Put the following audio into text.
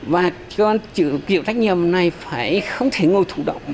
và cơ quan chịu trách nhiệm này phải không thể ngồi thủ động